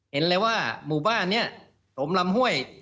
เห็นเลยว่าหมู่บ้านนี้สมลำห้วย